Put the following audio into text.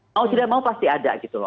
mau tidak mau pasti ada